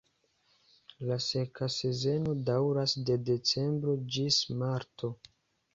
La seka sezono daŭras de decembro ĝis marto.